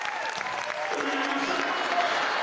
俺やりました。